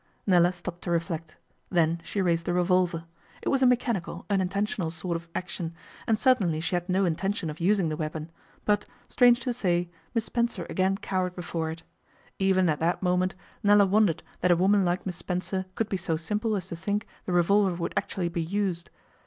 Nella stopped to reflect. Then she raised the revolver. It was a mechanical, unintentional sort of action, and certainly she had no intention of using the weapon, but, strange to say, Miss Spencer again cowered before it. Even at that moment Nella wondered that a woman like Miss Spencer could be so simple as to think the revolver would actually be used.